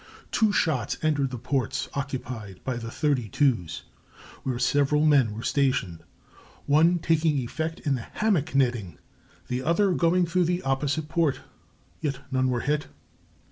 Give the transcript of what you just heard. Two shots entered the ports occupied by the thirty twos, where several men were stationed, one taking effect in the hammock netting, the other going through the opposite port, yet none were hit.